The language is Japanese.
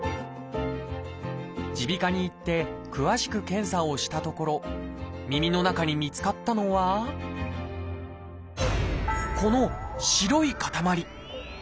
耳鼻科に行って詳しく検査をしたところ耳の中に見つかったのはこの白い塊。